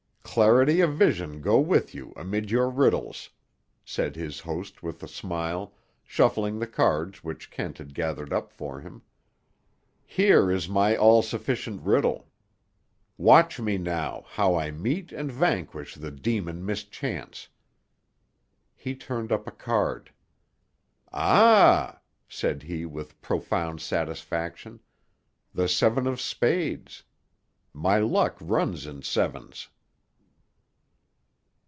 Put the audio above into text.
"Clarity of vision go with you, amid your riddles," said his host with a smile, shuffling the cards which Kent had gathered up for him. "Here is my all sufficient riddle. Watch me now, how I meet and vanquish the demon mischance." He turned up a card. "Ah," said he with profound satisfaction, "the seven of spades. My luck runs in sevens."